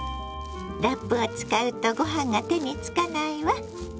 ラップを使うとご飯が手につかないわ。